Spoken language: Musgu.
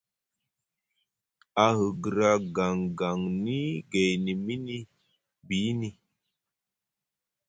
A hgra gangang ni gaidi mini biini.